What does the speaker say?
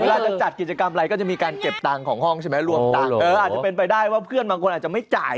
เวลาจะจัดกิจกรรมอะไรก็จะมีการเก็บตังของห้องใช่ไหม